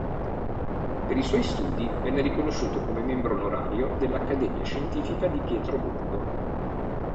Per i suoi studi venne riconosciuto come membro onorario dell'Accademia Scientifica di Pietroburgo.